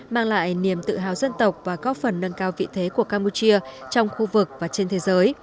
mang lại niềm tự hào dân tộc và góp phần nâng cao vị thế của campuchia trong khu vực và trên thế giới